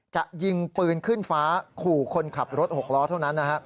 จะยิงปืนขึ้นฟ้าขู่คนขับรถหกล้อเท่านั้น